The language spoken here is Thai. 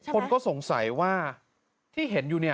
คนก็สงสัยว่าที่เห็นอยู่